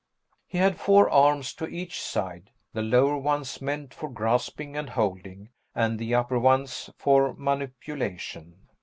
He had four arms to each side, the lower ones meant for grasping and holding and the upper ones for manipulation.